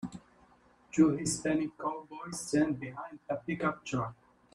Two hispanic cowboys stand behind a pickup truck.